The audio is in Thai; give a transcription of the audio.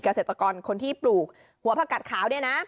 เกษตรกรคนที่ปลูกหัวผักกัดขาวเนี่ยนะ